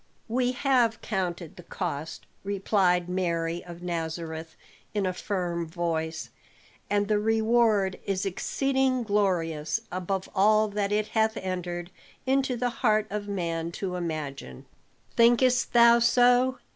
"We have counted the cost," replied Mary of Nazareth in a firm voice, "and the reward is exceeding glorious above all that it hath entered into the heart of man to imagine." "Thinkest thou so?"